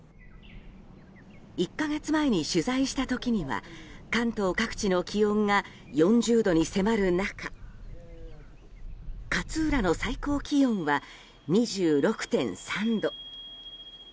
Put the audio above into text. １か月前に取材した時には関東各地の気温が４０度に迫る中勝浦の最高気温は２６．３度。